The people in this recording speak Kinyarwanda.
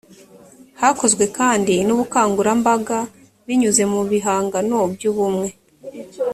hakozwe kandi n ubukangurambaga binyuze mu bihangano by ubumwe